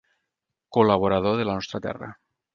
Col·laborador de La Nostra Terra.